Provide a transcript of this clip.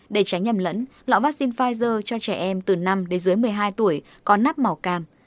để tránh nhầm lẫn loại vaccine pfizer cho trẻ em từ năm một mươi hai tuổi có nắp màu cam